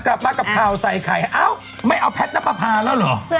กลับมากับเภาใส่ไข่อ้าวไม่เอาแพ็ตนักประพาห์แล้วหรอ